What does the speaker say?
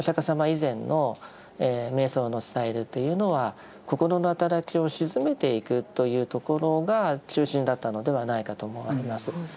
以前の瞑想のスタイルというのは心の働きを静めていくというところが中心だったのではないかと思われます。